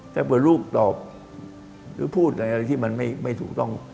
ถ้าเผื่อลูกตอบหรือพูดอะไรที่มันไม่ถูกต้อง